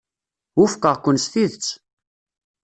Wufqeɣ-ken s tidet.